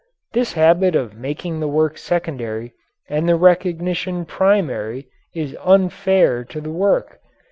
This habit of making the work secondary and the recognition primary is unfair to the work.